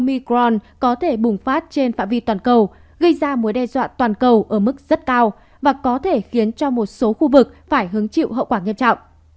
micron có thể bùng phát trên phạm vi toàn cầu gây ra mối đe dọa toàn cầu ở mức rất cao và có thể khiến cho một số khu vực phải hứng chịu hậu quả nghiêm trọng